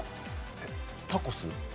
えっタコス？